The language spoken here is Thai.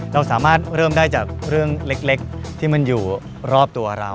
เราสามารถเริ่มได้จากเรื่องเล็กที่มันอยู่รอบตัวเรา